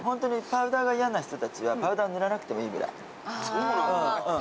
そうなんだ。